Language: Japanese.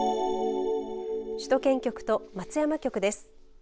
首都圏局と松山局です。